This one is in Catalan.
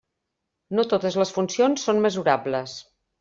No totes les funcions són mesurables.